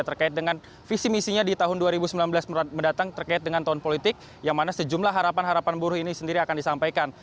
terkait dengan visi misinya di tahun dua ribu sembilan belas mendatang terkait dengan tahun politik yang mana sejumlah harapan harapan buruh ini sendiri akan disampaikan